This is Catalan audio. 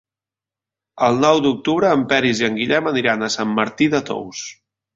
El nou d'octubre en Peris i en Guillem aniran a Sant Martí de Tous.